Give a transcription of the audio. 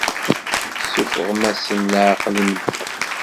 Tessuffɣem-asen leɛqel i medden.